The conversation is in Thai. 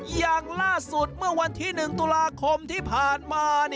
อย่างล่าสุดเมื่อวันที่๑ตุลาคมที่ผ่านมา